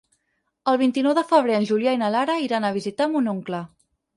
El vint-i-nou de febrer en Julià i na Lara iran a visitar mon oncle.